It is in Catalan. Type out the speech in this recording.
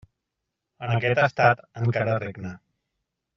En aquest estat, encara regna.